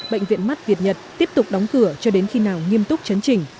bệnh viện mắt việt nhật tiếp tục đóng cửa cho đến khi nào nghiêm túc chấn chỉnh